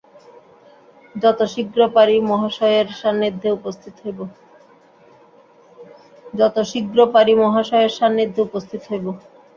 যত শীঘ্র পারি মহাশয়ের সান্নিধ্যে উপস্থিত হইব।